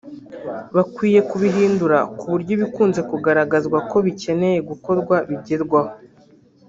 bakwiye kubihindura ku buryo ibikunze kugaragazwa ko bikeneye gukorwa bigerwaho